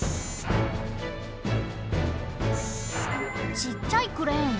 ちっちゃいクレーン？